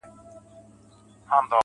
ستا شربتي شونډو ته، بې حال پروت و